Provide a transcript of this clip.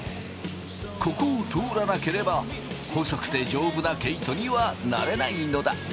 ここを通らなければ細くて丈夫な毛糸にはなれないのだ！